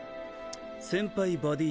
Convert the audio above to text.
先輩バディ